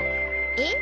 えっ？